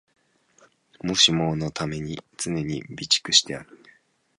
もしものために常に備蓄してある